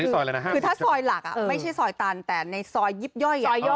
คือถ้าซอยหลักไม่ใช่ซอยตันแต่ในซอยยิบย่อยซอยย่อย